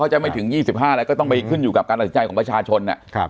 เขาจะไม่ถึง๒๕แล้วก็ต้องมาเข้าในการสินใจของประชาชน